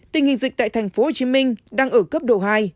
tình hình dịch tại tp hcm đang ở cấp độ hai